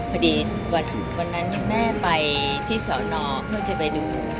พอดีวันนั้นแม่ไปที่สอนอเพื่อจะไปดู